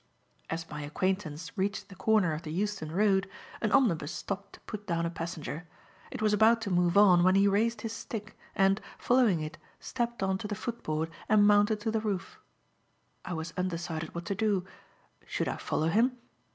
As my acquaintance reached the corner of the Euston Road, an omnibus stopped to put down a passenger. It was about to move on when he raised his stick, and, following it, stepped on the footboard and mounted to the roof. I was undecided what to do. Should I follow him?